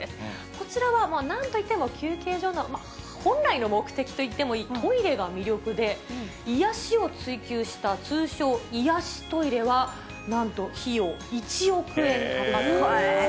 こちらは、なんといっても休憩所の本来の目的といってもいいトイレが魅力で、癒やしを追求した、通称、癒やしトイレは、なんと費用１億円かかっています。